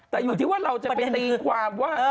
แต่อยู่ที่ว่าเราจะไปตีความว่า